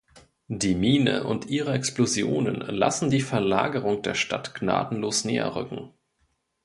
Die Mine und ihre Explosionen lassen die Verlagerung der Stadt gnadenlos näher rücken.